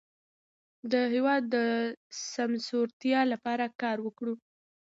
د هېواد د سمسورتیا لپاره کار وکړئ.